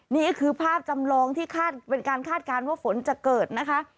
นี่คือภาพจำลองที่คาดเป็นการคาดการณ์ว่าฝนจะเกิดนะคะ